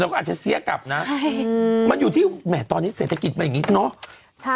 ก็อาจจะเสียกลับนะมันอยู่ที่แหมตอนนี้เศรษฐกิจมันอย่างนี้เนอะ